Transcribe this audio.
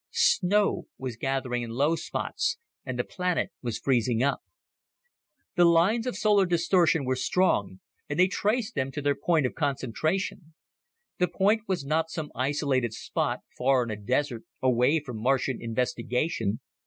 Snow was gathering in low spots, and the planet was freezing up. The lines of solar distortion were strong, and they traced them to their point of concentration. The point was not some isolated spot far in a desert, away from Martian investigation.